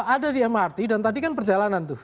ada di mrt dan tadi kan perjalanan tuh